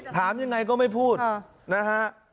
ถามยังไงก็ไม่พูดนะฮะ